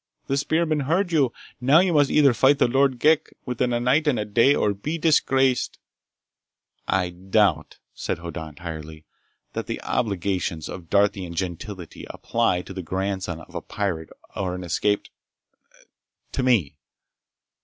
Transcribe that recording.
The spearmen heard you! Now you must either fight the Lord Ghek within a night and day or be disgraced!" "I doubt," said Hoddan tiredly, "that the obligations of Darthian gentility apply to the grandson of a pirate or an escap.... To me."